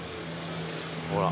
ほら。